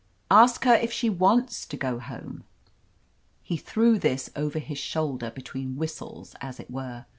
"Ask her if she wants to go home." He threw this over his shoulder, between whistles, as it were.